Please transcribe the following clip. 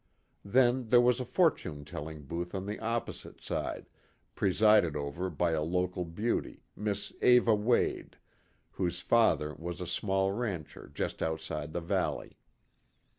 Then there was a fortune telling booth on the opposite side, presided over by a local beauty, Miss Eva Wade, whose father was a small rancher just outside the valley.